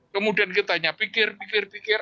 kemudian kita nyapikir pikir